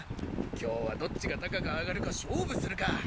今日はどっちが高くあがるか勝負するか。